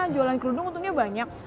jualan kerudung untungnya banyak